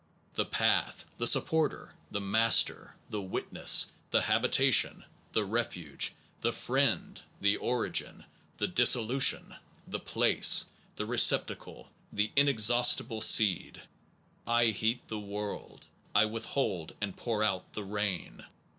.. the path, the supporter, the master, the wit ness, the habitation, the refuge, the friend, the origin, the dissolution, the place, the receptacle, the inexhaustible seed. I heat (the world) I withhold and pour out the rain.